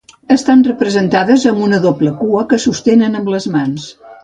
Estan representades amb una doble cua que sostenen amb les mans.